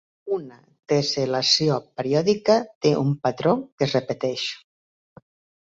Una tessel·lació periòdica té un patró que es repeteix.